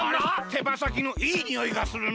てばさきのいいにおいがするな。